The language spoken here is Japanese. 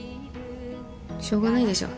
しょうがないでしょ。